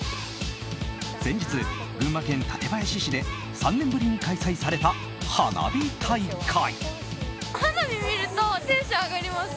先日、群馬県館林市で３年ぶりに開催された花火大会。